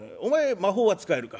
魔法は使えるか？」。